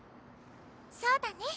そうだね。